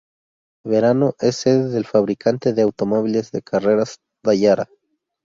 Varano es sede del fabricante de automóviles de carreras Dallara.